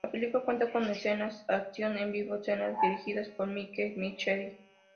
La película cuenta con escenas acción en vivo escenas dirigidas por Mike Mitchell.